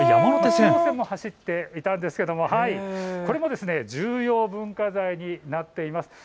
中央線も走っていたんですがこれも重要文化財になっています。